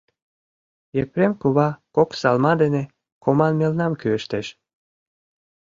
Епрем кува кок салма дене коман мелнам кӱэштеш.